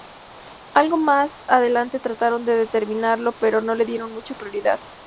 Algo más adelante trataron de terminarlo pero no le dieron mucha prioridad.